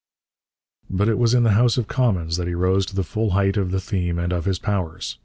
But it was in the House of Commons that he rose to the full height of the theme and of his powers.